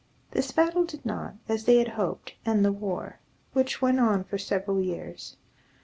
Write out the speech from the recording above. This battle did not, as they had hoped, end the war, which went on for several years.